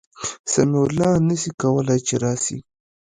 سمیع الله نسي کولای چي راسي